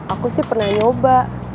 aku sih pernah nyoba